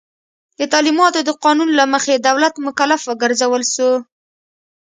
د تعلیماتو د قانون له مخي دولت مکلف وګرځول سو.